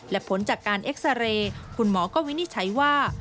และผลจากการเอ็กซาเรย์คุณหมอก็วินิจฉัยว่า